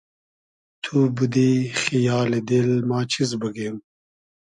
تو بودی خیالی دیل ما چیز بوگیم